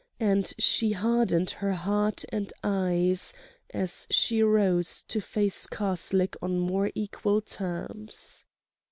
And she hardened her heart and eyes as she rose to face Karslake on more equal terms.